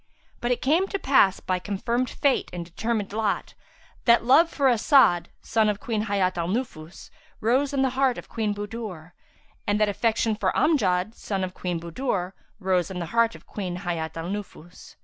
But it came to pass, by confirmed fate and determined lot, that love for As'ad (son of Queen Hayat al Nufus) rose in the heart of Queen Budur, and that affection for Amjad (son of Queen Budur) rose in the heart of Queen Hayat al Nufus.